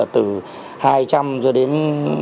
từ hai trăm linh cho đến